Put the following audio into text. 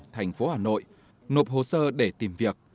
thành phố hà nội nộp hồ sơ để tìm việc